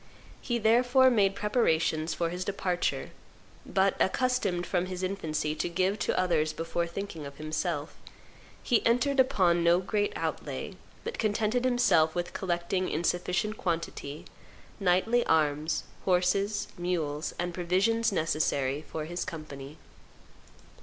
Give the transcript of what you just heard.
He therefore made preparations for his departure; but, accustomed from his infancy to give to others before thinking of himself, he entered upon no great outlay, but contented himself with collecting in sufficient quantity knightly arms, horses, mules, and provisions necessary for his company."